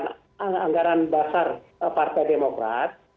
anggaran dasar partai demokrat